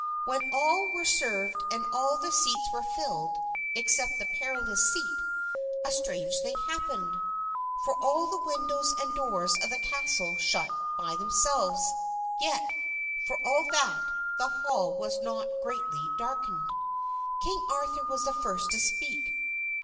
When all were served and all the seats were filled except the Perilous Seat, a strange thing happened; for all the windows and doors of the castle shut by themselves; yet, for all that, the hall was not greatly darkened. King Arthur was the first to speak.